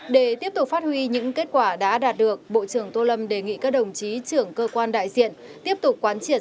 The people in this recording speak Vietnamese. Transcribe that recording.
để tiếp tục phát huy những kết quả đã đạt được bộ trưởng tô lâm đề nghị các đồng chí trưởng cơ quan đại diện tiếp tục quán triệt